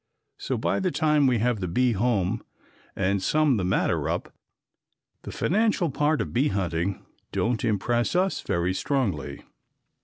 So by the time we have the bee home and sum the matter up, the financial part of bee hunting don't impress us very strongly.